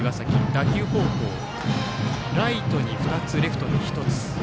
打球方向ライトに２つ、レフトに１つ。